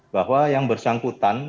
bahwa yang bersangkutan